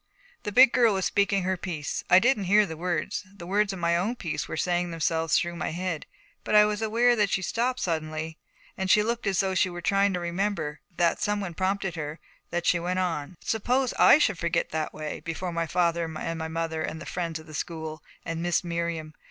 The Big Girl was speaking her piece. I didn't hear the words; the words of my own piece were saying themselves through my head; but I was aware that she stopped suddenly, that she looked as though she were trying to remember, that someone prompted her, that she went on. Suppose I should forget that way, before my father and mother and the friends of the school and Miss Miriam!